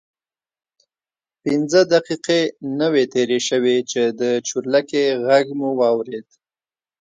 پنځه دقیقې نه وې تېرې شوې چې د چورلکې غږ مو واورېد.